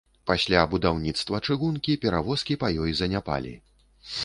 Пасля будаўніцтва чыгункі перавозкі па ёй заняпалі.